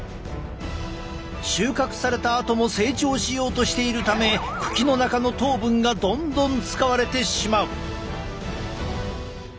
収穫されたあとも成長しようとしているため茎の中の糖分がどんどん使われてしまう。